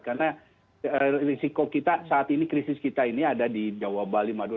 karena risiko kita saat ini krisis kita ini ada di jawa bali madu